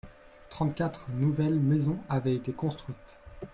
trente quatre nouvelles maisons avaient été construites.